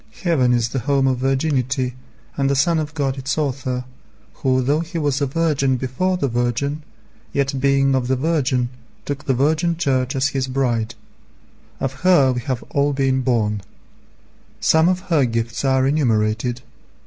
Heaven is the home of virginity, and the Son of God its Author, Who though He was a Virgin before the Virgin, yet being of the Virgin took the Virgin Church as His bride. Of her we have all been born. Some of her gifts are enumerated.